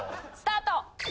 スタート！